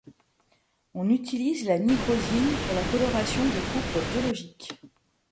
On utilise la nigrosine pour la coloration des coupes biologiques.